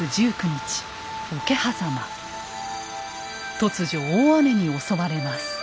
突如大雨に襲われます。